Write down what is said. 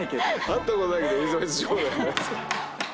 会ったことないけどエリザベス女王。